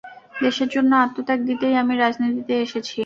দেশের জন্য আত্মত্যাগ দিতেই আমি রাজনীতিতে এসেছি।